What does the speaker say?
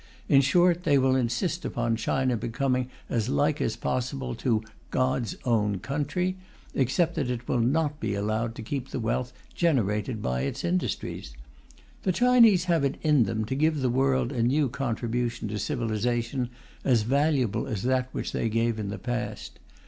In short, they will insist upon China becoming as like as possible to "God's own country," except that it will not be allowed to keep the wealth generated by its industries. The Chinese have it in them to give to the world a new contribution to civilization as valuable as that which they gave in the past.